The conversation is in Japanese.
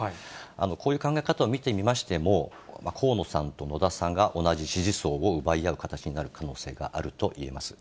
こういう考え方を見てみましても、河野さんと野田さんが同じ支持層を奪い合う形になる可能性があるといえます。